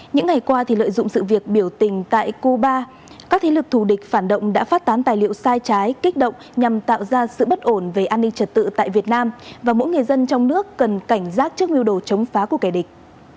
những ngày qua lợi dụng sự việc biểu tình tại cuba các thế lực thù địch phản động đã phát tán tài liệu sai trái kích động nhằm tạo ra sự bất ổn về an ninh trật tự tại việt nam và mỗi người dân trong nước cần cảnh giác trước mưu đồ chống phá của kẻ địch